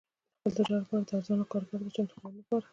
د خپل تجارت لپاره د ارزانه کارګرو د چمتو کولو لپاره.